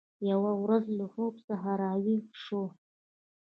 یوه ورځ له خوب څخه راویښه شوه